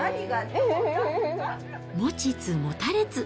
持ちつ持たれつ。